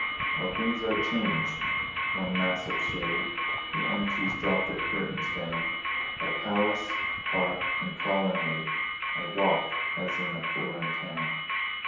All things are changed. One mass of shade, The elm trees drop their curtains down; By palace, park, and colonnade I walk as in a foreign town.